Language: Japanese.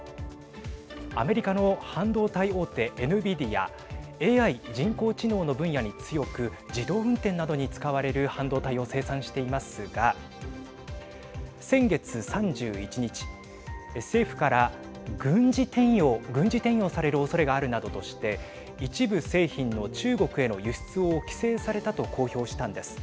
アメリカの半導体大手エヌビディア。ＡＩ＝人工知能の分野に強く自動運転などに使われる半導体を生産していますが先月３１日政府から軍事転用されるおそれがあるなどとして一部製品の中国への輸出を規制されたと公表したんです。